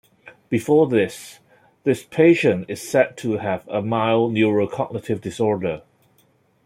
Before this, the patient is said to have a mild neurocognitive disorder.